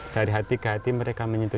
dari hati ke hati mereka menyentuh